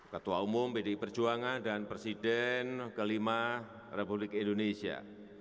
ketua umum bdi perjuangan dan presiden ke lima republik indonesia